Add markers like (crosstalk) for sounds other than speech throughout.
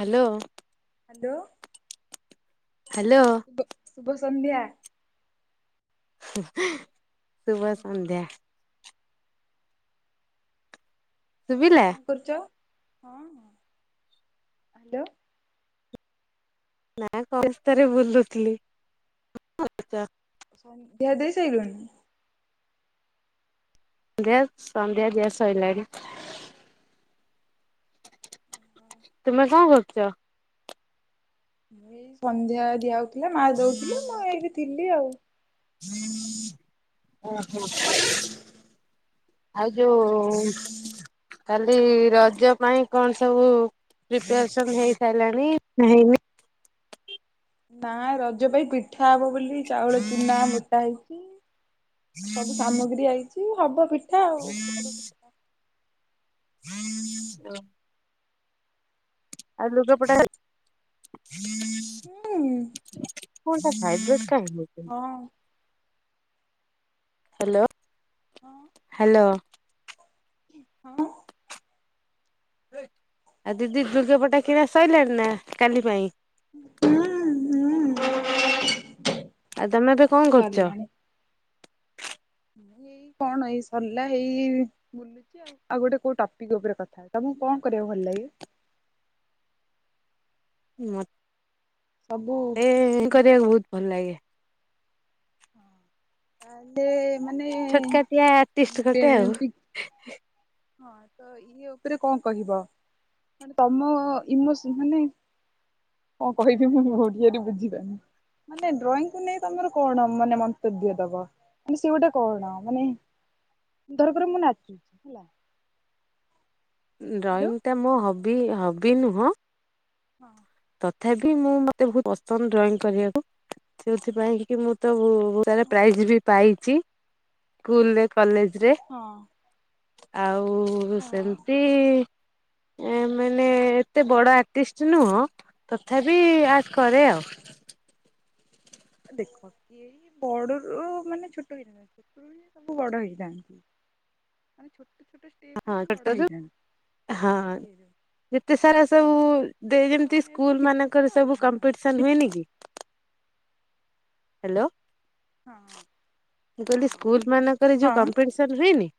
Hello. Hello. Hello. ଓ ଶୁଭ ସନ୍ଧ୍ୟା। ଶୁଭ କଣ ସନ୍ଧ୍ୟା। ଶୁବିଲା? କରୁଚ ହଁ ହାଲୋ। ନାଁ ଏ କଷ୍ଟାରେ ବୁଲୁଥିଲି (inaudible) ସନ୍ଧ୍ୟା ଦେଇ ଦେଇସାଇଲଣି? ନ୍ଧ୍ୟା ସନ୍ଧ୍ୟା ଦିଆସଇଲାଣି। ତୁମେ କଁ କରୁଚ? ମୁଁ ଏଇ ସନ୍ଧ୍ୟା ଦିଆ ହଉଥୁଲା ମା ଦଉଥୁଲେ ମୁଁ ଏଇଠି ଥିଲି ଆଉ। ଓହୋ ହୋ। ଆଉ ଯୋଉ କାଲି ରଜ ପାଇଁ କଣ ସବୁ ପ୍ରିପାରେସନ ହେଇ ସାରିଲାଣି ନାଁ ହେଇନି? ନାଉ ରଜ ପାଇଁ ପିଠା ହବ ବୋଲି ଚାଉଳ ଚୁନା ବଟା ହେଇଚି। ସବୁ ସାମଗ୍ରୀ ଆଇଚି ହବ ପିଠା ଆଉ। ଏପଟୁ ଏ ବା ଆଉ ଲୁଗାପଟା ହୁଁ। ଫୋନ୍ ଟା ଭାଇବ୍ରେଟ୍ କାଇଁ ହୋଉ ହଁ। ହ୍ୟାଲୋ ହଁ ହାଲୋ। ହଁ। ଆଉ ଦିଦି ଲୁଗାପଟା କିଣା ସରିଲାଣି ନା କାଲି ପାଇଁ ହୁଁ ଉଁ ହୁଁ ଉଁ ଆଉ ତମେ ଏବେ କଣ କରୁଚ? ମୁଁ ଏଇ କଣ ଏଇ ସରିଲା ହେଇ ବୁଲୁଚି। ଆଉ ଗୋଟେ କୋଉ ଟପିକ୍ ଉପରେ କଥା ତମୁକୁ କଣ କରିଆକୁ ଭଲ ଲାଗେ? ମତ୍ ସବୁ ଏ-ଏ-ଏ-ଏ-ଏଁ କରିବାକୁ ବହୁତ୍ ଭଲ ଲାଗେ। ତାହଲେ ମାନେ ଛୋଟକାଟିଆ ପିଷ୍ଟ ବେ ଗୋଟେ ଆଉ। ପି ହଁ ତ ଇଏ ଉପରେ କଣ କହିବ? ମାନେ ତମ ଇମୋସ୍ ମାନେ କଣ କହିିବି ମୁଁ ମୁଁ (unintelligible) ବୁଝିପାରୁନି। ମାନେ ଡ୍ରଇଂ କୁ ନେଇ ତମର କଣ ମାନେ ମନ୍ତବ୍ୟ ଦବ? ମାନେ ସେ ଗୋଟେ କଣ ମାନେ ଧର କିଏ ଗୋଟେ ମୁଁ ନାଚୁଚି ହେଲା ହ୍ୟାଲୋ ଡ୍ରଇଂଟା ମୋ ହବି ହବି ନୁହଁ। ହଁ। ତଥାପି ମୁଁ ମତେ ବହୁତ ପସନ୍ଦ ଡ୍ରଇଂ କରିବାକୁ ସେଇଥିପାଇଁ କି ମୁଁ ତ ମୁଁ ମୁଁ ତାର ପ୍ରାଇଜ୍ ବି ପାଇଚି ସ୍କୁଲରେ କଲେଜ୍ ହଁ। ଆଉ ହଁ ସେମତି ଏ ମାନେ ଏତେ ବଡ ଆର୍ଟିଷ୍ଟ ନୁହଁ ତଥାପି ଆର୍ଟ କରେ ଆଉ। ଦେଖ କି ଏଇ ବଡ଼ରୁ ମାନେ ଛୋଟ ହେଇନା (unintelligible) (unintelligible) ସବୁ ବଡ ହେଇଥାନ୍ତି ମାନେ ଛୋଟ ଛୋଟ ଷ୍ଟେପରୁ ହଁ ହିଁ ବଡ ସେଟା ରୁ ହେଇଥାନ୍ତି ମାନେ ଇଏ ଯୋଉ ଯେତେ ସାରା ସବୁ ଯେମତି ତମେ ଏବେ ସ୍କୁଲ ଶିଖୁଛ ମାନଙ୍କରେ ଆଉ ସବୁ କଣ କମ୍ପିଟିସନ ହୁଏନି ଶିଖି କି ହେଲୋ ହଁ ମୁଁ କହିଲି ହଁ। ସ୍କୁଲ ମାନଙ୍କରେ ଯୋଉ ହଁ କମ୍ପିଟିସନ୍ ହୁଏନି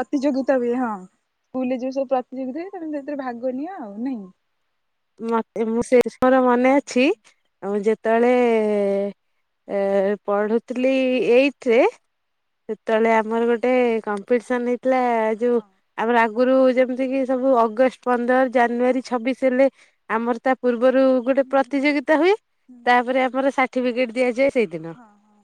ପ୍ରତିଯୋଗିତା ହୁଏ ହଁ ସ୍କୁଲରେ ଯେଉ ସବୁ ପ୍ରତିଯୋଗିତା ହୁଏ ତମେ ସେଥିରେ ଭାଗ ନିଅ ଆଉ ନାଇଁ ମତେ ମୁଁ ଶେଷର ମନେ ଅଛି ଆ ମୁଁ ଯେତବେଳେ ଏ ପଢ଼େ ଥିଲି ହଁ ଏଇଥ୍ ରେ ସେତବେଳେ ଆମର ଗୋଟେ କମ୍ପିଟସନ୍ ହେଇଥିଲା ଏ ଯୋଉ ହଁ ଆମର ଆଗୁରୁ ଯେମିତି କିି ସବୁ ଅଗଷ୍ଟ ପନ୍ଦର ଜାନୁୟାରୀ ଛବିଶ ହେଲେ ଆମର ତା ପୂର୍ବରୁ ଗୋଟେ ହୁଁ ହୁଁ ପ୍ରତିଯୋଗିତା ହୁଏ। ହୁଁ ତାପରେ ଆମର ସାର୍ଟିଫିକେଟ୍ ଦିଆଯାଏ। ସେଇଦିନ। ହଁ ହଁ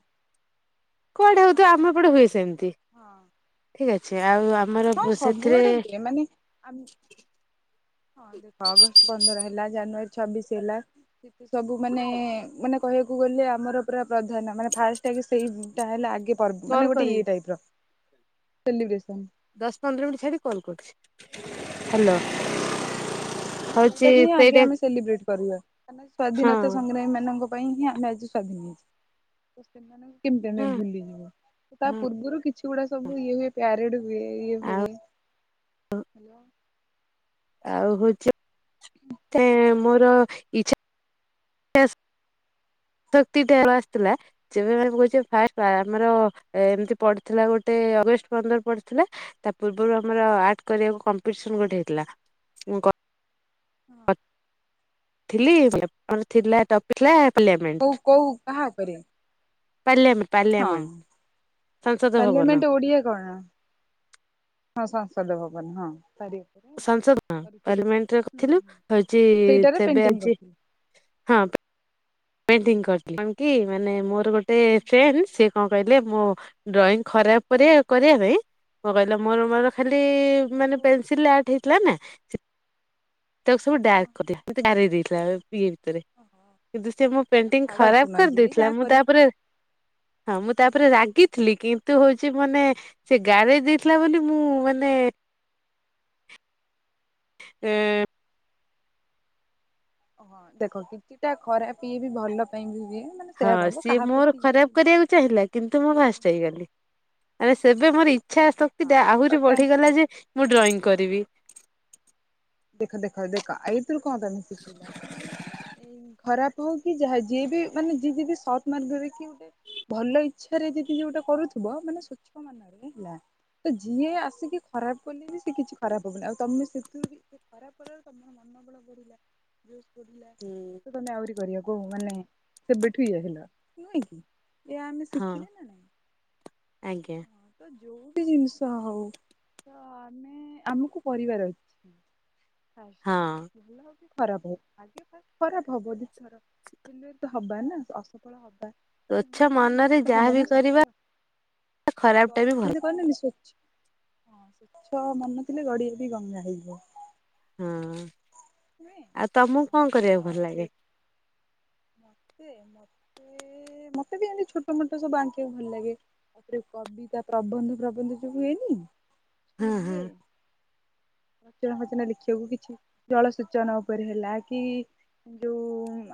କୁଆଡେ ହଁ ହଉଥିବ ହଁ ଆମ ଏପଟେ ହୁଏ ସେମତି ହଁ। ଠିକ୍ ଅଛି ଆଉ ଆପ୍ ହଁ ସବୁ ଆଡେ ହୁଏ ମାନେ ଆମ୍ ହଁ ଦେଖ ଅଗଷ୍ଟ ପନ୍ଦର ହେଲା ଜାନୁୟାରୀ ଛବିଶ ହେଲା ସେତ ସବୁ ମାନେ ମାନେ କହିଆକୁ ଗଲେ ଆମର ପୁରା ପ୍ରଧାନ ମାନେ ଫାଷ୍ଟ୍ ଆଗେ ସେଇଟା ହେଲା ଆଗେ ପର୍ବ୍ କଲ୍ ମାନେ ଗୋଟେ କରିବି ଇଏ ଟାଇପ୍ ର ସେଲିବ୍ରେସନ୍। ଦଶ୍ ପନ୍ଦର ମିନିଟ୍ ଛାଡ଼ିିକ୍ କଲ୍ କରୁଛି। ହ୍ୟାଲୋ ହଉଛି ସେଇଟାକୁ ହିଁ ଆଗେ ସେଇଟା ଆମେ ସେଲିବ୍ରେଟ୍ କରିବା। ଆମେ ହଁ ସ୍ଵାଧୀନତା ସଂଗ୍ରାମୀ ମାନଙ୍କ ପାଇଁ ହିଁ ଆମେ ଆଜି ସ୍ୱାଧୀନ। କେମତି ହଁ ଆମେ ଭୁଲିଯିବୁ। ତା ହଁ ପୂର୍ବୁରୁ କିଛି ଗୁଡା ସବୁ ଇଏ ହୁଏ। ପ୍ୟାରେଡ ହୁଏ ଇଏ ଆଉ ହୁଏ। ହ୍ୟାଲୋ ଆଉ ହଉଛି ଏଁ ମୋର ଇଚ୍ଛା (unintelligible) ଶକ୍ତି ର ଆସିଥିଲା। କହୁଛି ଆମର ଏମତି ପଡିଥିଲା ଗୋଟେ ଅଗଷ୍ଟ ପନ୍ଦର (unintelligible) ପଡିଥିଲା। ତା ପୂର୍ବରୁ ଆମର ଆଟ କରିବାକୁ କମ୍ପିଟିସନ ହଁ ଗୋଟେ ହେଇଥିଲା। ହଁ ଥିଲି କଣ ଥିଲା ଟପିକି ଥିଲା କୋଉ (unintelligible) କୋଉ କାହା ଉପରେ ପାଲ୍ୟମ ପାଲ୍ୟ ହଁ ପାଲିଆମେଣ୍ଟ ଓଡ଼ିଆ କଣ? ହଁ ସଂପଦ ଭବନ। ହଁ ପାରିବ ସାଂସଦ ହଁ ପାର୍ଲାମେଣ୍ଟରେଥିଲୁ ହୁଁ ହଉଛି ସେଇଟାରେ ତେବେ ପେଣ୍ଟିଂ ଆଜି କରିଥିଲି। ହ ପେଣ୍ଟିଙ୍ଗ କରି କଣ କି ମାନେ ମୋର ଗୋଟେ ଫ୍ରେଣ୍ଡ ସେ କଣ କହିଲେ ମୋ ଡ୍ରଇଂ ଖରାପ କରି କରିବା ପାଇଁକଣ କହିଲେ ମୋର ମୋର ଖାଲି ହଁ ମାନେ ହୁଁ ପେନସିଲ ଆର୍ଟ ହେଇଥିଲା ନା। ତାକୁ ସବୁ ହଉ ହଁ ଡାର୍କ କରିଦେଲା ଗାରେଇ ଦେଇଥିଲା ସିଏ। ହଁ ହଁ କିନ୍ତୁ ସେ ମୋ ହଉ ପେଣ୍ଟିଙ୍ଗ ଛାଡ ଖରାପ ଶୁଣ ଯିଏ କରିଦେଇଥିଲା। ଯାହା ମୁଁ ତା କରିବ ଉପରେ ହଁ ମୁଁ ତାପରେ ରାଗିଥିଲି କିନ୍ତୁ ହଉଛି ମାନେ ସେ ଗାରେଇ ଦେଇଥିଲା ବୋଲି ମୁଁ ମାନେ ଏ ହଁ ଦେଖ କିଛିଟା ଖରାପ ଇଏ ବି ଭଲ ପାଇଁ ବିି ହୁଏ। ମାନେ ହଁ ସେୟା ଭାବ ସିଏ କାହା ମୋର ପ୍ରତି ଇଏ ବି ଖରାପ ନାହିଁ। କରିବାକୁ ଚାହିଁଲା କିନ୍ତୁ ମୁଁ ସିଏ ଫାଷ୍ଟ ହେଇଗଲି। ମାନେ ସେବେ ହଁ ମୋର ଇଚ୍ଛା ଶକ୍ତି ଟା ହଁ ତ ଆହୁରି କା ବଢିଗଲା ଯେ ମୁଁ ଡ୍ରଇଂ କରିବି। ଦେଖ ଦେଖ ଦେଖ ଏଇଥିରୁ କଣ ତମେ ଶିଖିଲ କି? ଖରାପ ହଉ କି ଯାହା ଯିଏ ବି ମାନେ ଯିଏ ଯଦି ସଦ୍ ମାର୍ଗରେ ଥିବ କିଏ ଗୋଟେ ଭଲ ଇଚ୍ଛାରେ ଯଦି ଯୋଉଟା କରୁଥିବ। ମାନେ ସ୍ଵଚ୍ଛ ମନ ହେଲା ତ ଯିଏ ଆସିକି ଖରାପ କଲେବି ସେ କିଛି ଖରାପ ହବନି ଆଉ ତମେ ସେଥିରୁ ସେ ଖାରପ କଲାବେଳୁ ତମ ମନବଳ ବଡ଼ିଲା। (unintelligible) ହୁଁ। ତମେ ଆହୁରି କରିବା କୁହୁ ମାନେ ସେବେଠୁ ଇ ହେଲ ନୁହେଁ କି? ଏଇ ଆମେ ହଁ ଶିଖିଲେ ନା ନାଇଁ ଆଜ୍ଞା। ହଁ ଯୋଉ ବି ଜିନିଷ ହଉ ଆମେ ଆମକୁ ପଢ଼ିବାର ଅଛି। ହଁ। ଫାଷ୍ଟ ଭଲ ଖରାପ ହଉ ଆଗେ ଖରାପ ହବ ଦିଥର। ଦିନ ତ ହବ ନା ଅସଫଳ ହବା ତତେ ସ୍ଵଚ୍ଛ ଦିନ ମନରେ ଦିନେ ତ ହବ ଯାହାବି ନା କରିବା ସଫଳ। ଖରାପ ଟା ବି ଭଲ ଯେମିତି କହାନ୍ତିନି ସ୍ୱଚ୍ଛ (unintelligible) ସ୍ଵଚ୍ଛ ମନଥିଲେ ଗଡିଆ ବି ଗଙ୍ଗା ହେଇଯିବ। ହଁ ନୁହେଁ ଆଉ ତମକୁ ହଁ କଣ ତ କରିବାକୁ ଭଲ ସେ ଲାଗେ? ମତେ ମତେ ମତେ ବି ଏମତି ଛୋଟ ମୋଟ ସବୁ ଆଙ୍କିବାକୁ ଭଲ ଲାଗେ। ତାପରେ କବିତା ପ୍ରବନ୍ଧ ପ୍ରବନ୍ଧ ଯୋଉ ହଁ ହଁ ହୁଏନି ରଚନା ଫଚନା ଲେଖିବାକୁ କିଛି ଜଳ ସୂଚନ ଉପରେ ହେଲା କି ଯୋଉ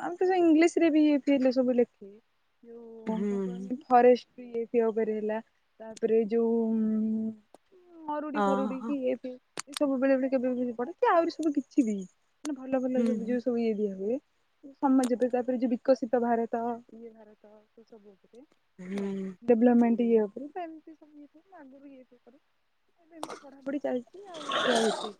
ଆମେ ତ ଇଂଲିଶ ରେ ବିଏପ ସବୁ ଲେଖେ ଯୋଉ କଣ ହୁଁ କହିଲକି ଫରେଷ୍ଟ ବି ଇଏ ଫୟ ଉପରେ ହେଲା ତାପରେ ଯେଉଁ ମରୁଡି ଫରୁଡି (unintelligible) ଓହୋ। କି ଏବେ ସବୁ ବେଳେ ବେଳେ କେବେ ବି ପଡେ କି ଆହୁରି ସବୁ କିଛି ବି ନା ଭଲ ଭଲ ସବୁ ହୁଁ ଯଉ ଇଏ ଦିଆ ହୁଏ ସମାଜ ତାପରେ ଯୋଉ ବିକଶିତ ଭାରତ ଇଏ ଭାରତ ସବୁରେ ହେଲା ହୁଁ ଡିଭଲମେଣ୍ଟଇ ଇଏ ଉପରେ ଏମତି ପଢାପଢି ଚାଲିଛି ଆଉ ଏ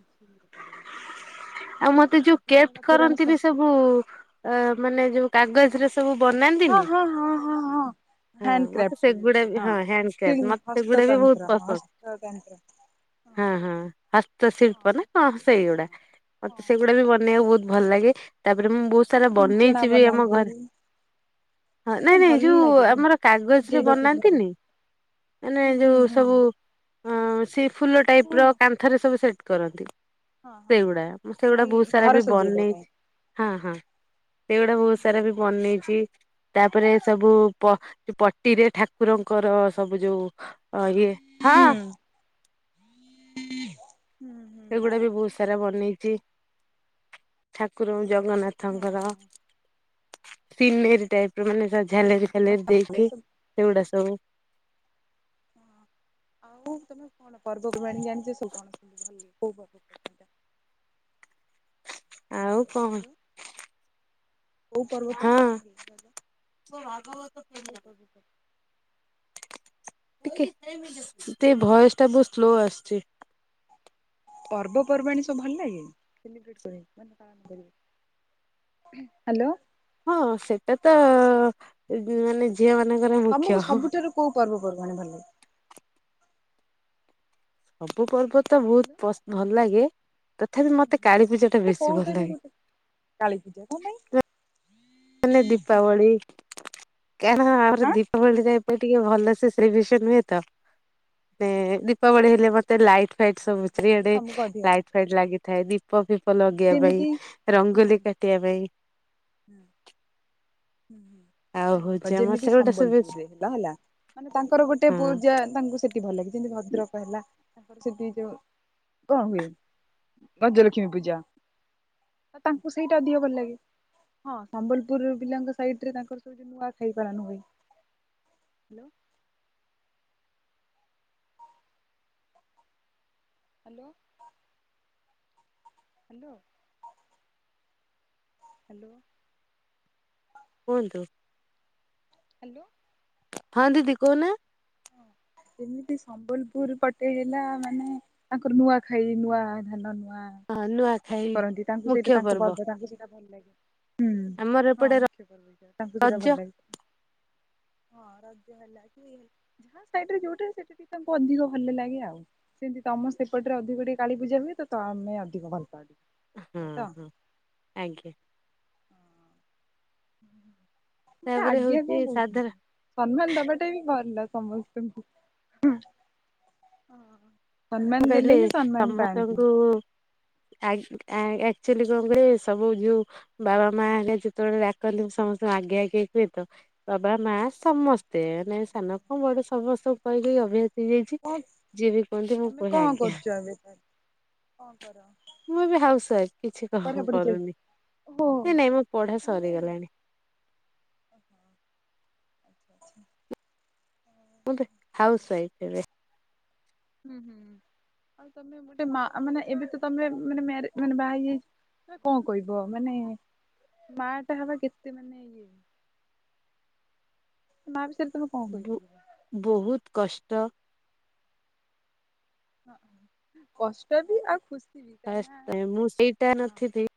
ଆଉ ମତେ ଯୋଉ କେପ୍ଟ କରନ୍ତିନି ସବୁ ଅ ମାନେ ଯୋଉ କାଗଜରେ ସବୁ ବନାନ୍ତି। ହଁ ହଁ ହଁ ହଁ ହଁ। ହଁ ମତେ ସେଗୁଡା ବି ହଁ ହ୍ୟାଣ୍ଡ ସେଇ କ୍ୟପ ମୋତେ ସେଗୁଡା ବି ବହୁତ ହସ୍ତତନ୍ତ୍ର ପସନ୍ଦ। ହସ୍ତତନ୍ତ୍ର ହଁ ହଁ ହଁ। ହସ୍ତଶିଳ୍ପ ନା କଣ ସେଇଗୁଡା ହଁ ହଁ ମତେ ସେଇଗୁଡା ଏମିତି ବି କାମ ବନେଇକୁ ବହୁତ ଭଲ ଲାଗେ। ତାପରେ ମୁଁ ବହୁତ ଆଗରୁ ସାରା ସବୁ ବିଞ୍ଚଣା ବନେଇଛି ବି ଆମ ବନାନ୍ତି ଘରେ ହଁ ତ ନାଇଁ ସବୁ ନାଇଁ ଭଲ ଯୋଉ ଲାଗେ ବି ଆମର କାଗଜ ରେ ସଜେଇବାକୁ ଘରେ ବନାନ୍ତିନି। ମାନେ ହୁଁ ହୁଁ ଯୋଉ ହୁଁ ସବୁ ଅ ସି ଫୁଲ ଟାଇପ ହଁ ର କ କାନ୍ଥ ରେ ସବୁ ସେଟ କରନ୍ତି ହଁ ହଁ। ସେଗୁଡା ମୁଁ ଭଲ ସେଗୁଡା ବହୁତ ସାରା ଘର ବି ସଜେଇବା ପାଇଁ ବନେଇଛି। ହଁ ହଁ ସେଗୁଡା ବହୁତ ସାରା ବି ହୁଁ ବନେଇଚି ତାପରେ ସବୁ। ପଟିରେ ଠାକୁରଙ୍କର ସବୁ ଯୋଉ ଇଏ ହଁ। (inaudible) ହୁଁ। ଏଗୁଡା ବି ବହୁତ ସାରା ବନେଇଚି ଠାକୁର ଜଗନ୍ନାଥଙ୍କର। ହଁ ସିନେର ଟାଇପ ର ମାନେ ଝାଲେରି ଫାଲେରି ଦେଇକି ଏସବୁ ସେଗୁଡା ସବୁ। ପର୍ବ ପର୍ବାଣୀ ଜାଣିଚ ସବୁ (inaudible) ଆଉ କଣ। ହ୍ୟାଲୋ କୋଉ ହଁ। ପର୍ବପର୍ବାଣୀ ଭଲ କହିଲ କୋଉ ପର୍ବ ଟିକେ ସେ ଭଏସ ଟା ବହୁତ ସ୍ଲୋ ଆସୁଚି। ପର୍ବପର୍ବାଣୀ ସବୁ ଭଲ ଲାଗେ ସେଲିବ୍ରେଟି କରିବାକୁ ମାନେ ପାଳନ କରିବାକୁ। ହାଲୋ। ହଁ ସେଟା ତ ମାନେ ଝିଅ ମାନଙ୍କର ମୁଖ୍ୟ ତମକୁ ହଁ। ସବୁଠାରୁ କୋଉ ପର୍ବ ପର୍ବାଣି ଭଲ ଲାଗେ। ସବୁ ପର୍ବ ତ ବହୁତ ହ୍ୟାଲୋ ବହୁତ ଭଲ ଲାଗେ ତଥାପି ମତେ କାଳୀ ପୂଜା ଟା ବେଶୀ ଭଲ ଲାଗେ। କାଲି ପୂଜା କଣ ପାଇଁ? ମନେ ଦୀପାବଳି କାରଣ ଆହୁରି ଆଁ ଦୀପାବଳିରେ ମତେ ଟିକେ ଭଲ ସେ ସେଲିବ୍ରେସନ ହୁଏତ ଦୀପାବଳି ହେଲେ ମତେ ଲାଇଟ୍ ଲାଇଟ ସବୁ ସେ ନେଇ ଚାରିଆଡେ ତମକୁ ଅଧିକ ଲାଇଟ ଲାଗିଥାଏ ଦୀପ ଫିପ ଲଗେଇବା ଯେମିତି ହୁଁ ପାଇଁ ରଙ୍ଗୋଲି ହୁଁ କାଟିବା ପାଇଁ। ଆଉ ନାଇଁ ଦେଖ ହଉଛି ଆମର ଯେମିତି ସେଗୁଡା ସବୁ ସମ୍ବଲପୁର ରେ। ହେଲା ମାନେ ତାଙ୍କର ଗୋଟେ ହଁ ପୂଜା ତାଙ୍କୁ ସେଠି ଭଲ ଲାଗେ ଯେମିତି ଭଦ୍ରକ ହେଲା। ତାପରେ ସେଠି ଯୋଉ କଣ ହୁଏ ଗଜଲକ୍ଷ୍ମୀ ପୂଜା। ତ ତାଙ୍କୁ ସେଇଟା ଅଧିକ ଭଲ ଲାଗେ ହଁ ସମ୍ବଲପୁର ପିଲାଙ୍କ ସାଇଟରେ ତାଙ୍କର ସବୁ ନୂଆ ଖାଇ ପାଳନ ହୁଏ। ହାଲୋ। ହାଲୋ। ହାଲୋ। କୁହନ୍ତୁ। ହାଲୋ। ହଁ ଦିଦି କହୁନା। ଯେମିତି ସମ୍ବଲପୁର ପଟେ ହେଲା ମାନେ। ତାଙ୍କର ନୂଆ ଖାଇ ନୂଆ ଧାନ ନୂଆ। ହଁ ନୂଆ କିଏ କରନ୍ତି ତାଙ୍କୁ ସେଇଟା ତାଙ୍କୁ ପର୍ବ ତାଙ୍କୁ ସେଇଟା ଭଲ ଲାଗେ। ହୁଁ ଆମର ହଁ ଏପଟେ ମୁଖ୍ୟ ପର୍ବ ସେରା ତାଙ୍କୁ ସେଟା ଭଲ ରଜ ଲାଗେ। ହଁ ରଜ ହେଲା କି ଯାହା ସାଇଡ଼ରେ ଯୋଉଟା ସେଟା ଟିକେ ତାଙ୍କୁ ଅଧିକ ଭଲ ଲାଗେ ଆଉ। ସେନ୍ତି ତମ ସେପଟରେ ଅଧିକ ଟିକେ କାଳୀ ପୂଜା ହୁଏ ତ ତମେ ଅଧିକ ଭଲ ପାଅ ଟି ହଁ ହଁ ଆଜ୍ଞା। ମତେ ତାପରେ ଆଜ୍ଞା ହଉଛି କଁ ସାଧାରଣ କୋଉଛନ୍ତି। ସନ୍ମାନ ଦବାଟା ବି ଭଲ ସମସ୍ତଙ୍କୁ। ସନ୍ମାନ ଦେଲେ କହିଲେ ହିଁ ସନ୍ମାନ ପାଆନ୍ତି। ଆ ଆ ଆଚୁଆଲି କରିବେ ସବୁ ଯୋଉ ବାବା ମା ହେରିଆ ଯେତୋଳେ ଡାକନ୍ତି ମୁଁ ସମସ୍ତଙ୍କୁ ଆଗିଆ ଆଗିଆ କୁହେ ତ। ବାବା ମା ସମସ୍ତେ ମାନେ ସାନ କଁ ବଡ଼ ସମସ୍ତଙ୍କୁ କହି କହି ଅଭିଆ ହେଇଯାଇଛି ଯିଏ ବି କୁହନ୍ତି ମୁଁ କୁହେ କଁ ଆଜ୍ଞା କରୁଚ ଏବେ ସା ମୁଁ ଏବେ ହାଉସ୍ ୱାଇଫ୍ କିଛି କଁ ପଢାପଢି ଚାଲିଛି କରୁନି। ଓହୋ ଇ ନାଇଁ ମୋ ପଢ଼ା ମାନେ ସରିଗଲାଣି। (inaudible) ମୁଁ ପେ ହାଉସ୍ ୱାଇଫ୍ ଏବେ। ହୁଁ ହୁଁ ଆଉ ତମେ ଗୋଟେ ମା ମାନେ ଏବେ ତ ତମେ ମାନେ ମ୍ୟାରେ ମାନେ ବାହା ହେଇଯାଇ ହେ କଁ କହିବ ମାନେ ମାଆଟା ହବା କେତେ ମାନେ ଇଏ? ମା ବିଷୟରେ ତମେ କଣ ବୁ କହିପାରିବ? ବହୁତ କଷ୍ଟ। ହଁ କଷ୍ଟ ବି ଆଉ ଖୁସ୍ ଫାଷ୍ଟ୍ ଟାଇମ୍ ମୁଁ ସେଇଟା ନଥି ଦି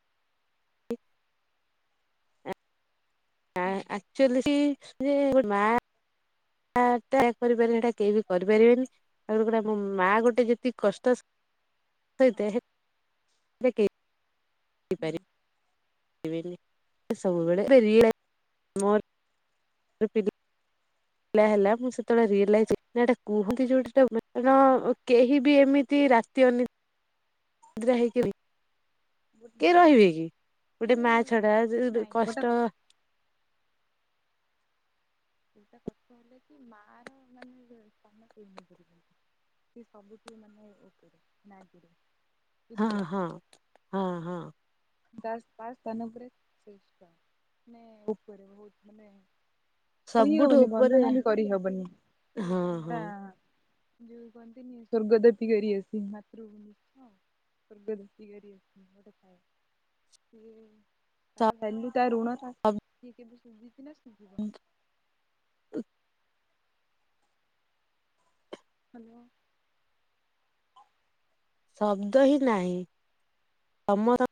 ଆ ହୁଁ ଆକ୍ଚୁଆଲି ସେ ଯେ ଗୋ ମା ଆଟା ଚେ କରିପାରିବଟା କେହି ବି କରିପାରିବେନି ଆହୁରି ଗୋଟା ମୋ ମା ଗୋଟେ ଯେତି କଷ୍ଟ ହଁ ସହିତାଏ ହେ ବି କେ ହୁଁ ଇପାରି ଇବେନି ଏ ମାନେ ସବୁବେଳେ ବେରିଏଲେ ମୋର (unintelligible) ଲା ହେଲା ମୁଁ ସେ ତଳେ ରିଏଲାଇଜ ନେଇ ଏଟା କୁହନ୍ତି ଯୋଉଠି ଟା ମା ଆନ ଉ ହଁ କେହି ବି ଏମିତି ରାତି ଅନି ଦ୍ରା ହେଇକିରି କିଏ ହଁ। ରହିବେ କି ଗୋଟେ ମାନେ ମା ଛଡ଼ା ଯେ ଦୁ ନାଇଁ ଗୋଟେ କଷ୍ଟ କଥା ଏଇଟା କଥା ହେଲେ କି ମାଆର ମାନେ ଯୋ ସ୍ଥାନ କେହି ନେଇପାରିବେନି। ଇ ସବୁଠି ମାନେ ଓପେରେ ନା ଆଗେରେ। ହଁ ହଁ ହଁ ହଁ। ଦାଶ୍ ପା ସ୍ଥାନ ଉପରେ (inaudible) ନେ ଉପରେ ବହୁତ ମାନେ କହି ସବୁଠୁ ହବନି ଉପରେ ବର୍ଣ୍ଣନା ବି କରିହବନି। ହଁ ହଁ ଯୋଉ କହନ୍ତିନି ସ୍ଵର୍ଗଦପି ଗରିୟସୀ ମାତୃଭୂମି ହଁ। ସ୍ବର୍ଗଦପି ଗରିଅସୀ ଗୋଟେ ଥାଏ ତା ଲ୍ୟାଲୁ ତା ଋଣ ତା କିଏ କେବେ ସୁଜିଚି ନା ସୁଜିବ? ହାଲୋ। ଶବ୍ଦ ହିଁ ନାହିଁ ତମର (inaudible)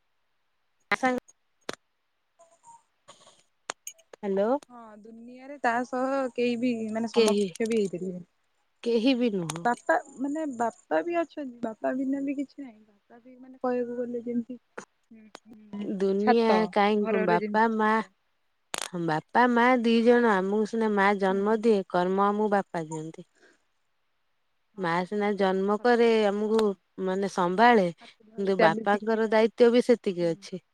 ହାଲୋ। ହଁ ଦୁନିଆରେ ତା ସହ କେହି ବି ଇଏ ମାନେ କେହି ସମକ୍ଷ ବି ହେଇପାରିବେନି କେହି ବି ନୁହଁ ବାପା ମାନେ ବାପା ବି ଅଛନ୍ତି ବାପା ବିନା ବି କିଛି ନାହିଁ ବାପା ମାନେ ଏମାନେ କହିବାକୁ ଗଲେ ଯେମତି ହୁଁ ହୁଁ। ଦୁନିଆ କାହିଁଙ୍କୁ ବାପା ମା ଛାତ। ବାପା ମା ଦି ଜଣ ଆମକୁ ସିନା ମା ହୁଁ। ଜନ୍ମ ଦିଏ କର୍ମ ଆମକୁ ବାପା ଦିଅନ୍ତି। ହଁ ମା ସିନା ଜନ୍ମ ସତ କରେ କଥା ହଁ ଆମକୁ ହଁ ମାନେ ସମ୍ଭାଳେ। ହାତ ଧରି କିନ୍ତୁ ଚାଲି ବାପାଙ୍କର ଶିଖିବା ଦାୟିତ୍ବ ବି ସେତିକି ହୁଁ। ଅଛି।